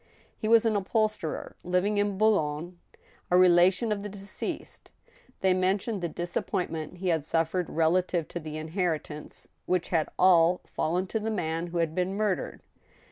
He was an upholsterer living at Boulogne, a relation of the de ceased. They mentioned the disappointment he had suffered rela tive to the inheritance, which had all fallen to the man who had been murdered.